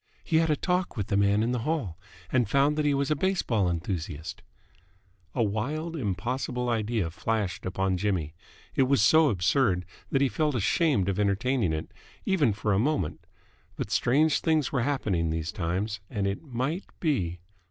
He had a talk with the man in the hall and found that he was a baseball enthusiast " A wild, impossible idea flashed upon Jimmy. It was so absurd that he felt ashamed of entertaining it even for a moment. But strange things were happening these times, and it might be